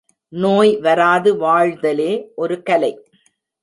நோய் வராது வாழ்தலே ஒரு கலை.